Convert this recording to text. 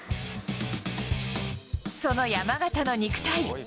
その山縣の肉体。